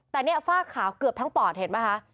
แต่เนี่ยฝ้าขาวเกือบทั้งปอดเห็นไหมคะ